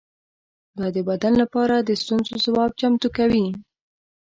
دا د بدن لپاره د ستونزو ځواب چمتو کوي.